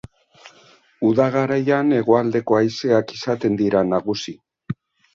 Uda garaian hegoaldeko haizeak izaten dira nagusi.